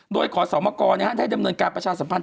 โดยขอสมกรได้ดำเนินการประชาสัมพันธ